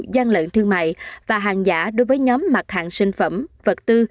gian lận thương mại và hàng giả đối với nhóm mặt hàng sinh phẩm vật tư